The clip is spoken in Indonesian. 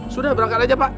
sudah berangkat aja pak